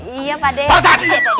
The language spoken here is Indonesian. iya pak ade